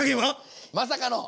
まさかの。